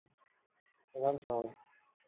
প্রধান শহর।